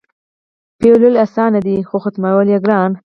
پیلول یې اسان دي خو ختمول یې ګران.